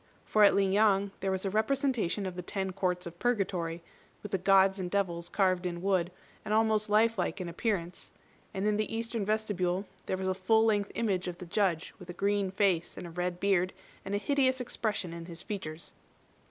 For at Ling yang there was a representation of the Ten Courts of Purgatory, with the Gods and devils carved in wood, and almost life like in appearance; and in the eastern vestibule there was a full length image of the Judge with a green face, and a red beard, and a hideous expression in his features.